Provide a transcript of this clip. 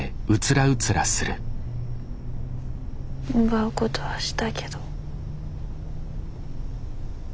奪うことはしたけど。